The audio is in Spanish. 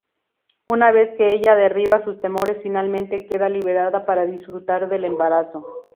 Una vez que ella derriba sus temores finalmente queda liberada para disfrutar del embarazo.